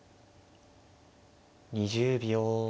２０秒。